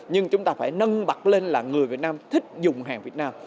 nhưng chúng ta phải nâng bật lên là người việt nam thích dùng hàng việt nam